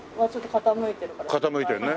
傾いてるね。